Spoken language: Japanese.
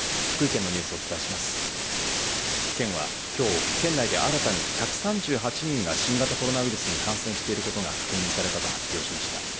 県はきょう県内で新たに１３８人が新型コロナウイルスに感染していることが確認されたと発表しました。